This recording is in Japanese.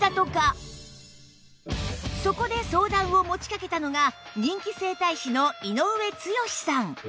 そこで相談を持ちかけたのが人気整体師の井上剛志さん